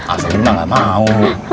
as saudi mah gak mau